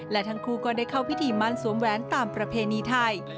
และทั้งคู่ก็ได้เข้าพิธีมั่นสวมแหวนตามประเพณีไทย